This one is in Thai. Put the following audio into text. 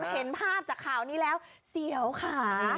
เห็นภาพจากข่าวนี้แล้วเสียวค่ะ